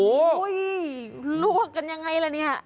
ลวกกันยังไงล่ะเนี่ย